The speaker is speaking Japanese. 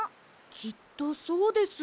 きっとそうです。